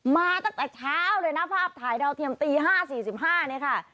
มาตั้งแต่เช้าเลยนะภาพถ่ายเทียมตีห้าสี่สิบห้านี่ค่ะ